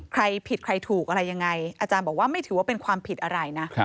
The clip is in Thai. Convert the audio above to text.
ใครผิดใครถูกอะไรยังไงอาจารย์บอกว่าไม่ถือว่าเป็นความผิดอะไรนะ